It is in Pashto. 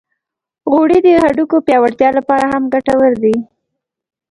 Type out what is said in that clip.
غوړې د هډوکو پیاوړتیا لپاره هم ګټورې دي.